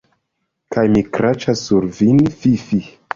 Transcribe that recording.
Kaj mi kraĉas sur vin, fi, fi.